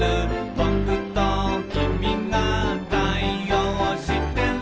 「ぼくときみが対応してる」